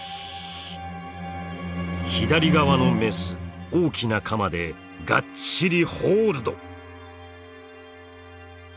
左側のメス大きなカマでがっちりホールド！